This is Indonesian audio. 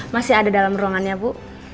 masih ada dalam ruangannya bu